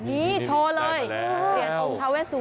นี่โชว์เลยเหรียญองค์ทาเวสวัน